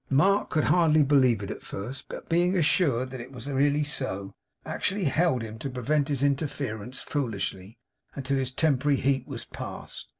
Mark could hardly believe it at first, but being assured that it was really so, actually held him to prevent his interference foolishly, until his temporary heat was past.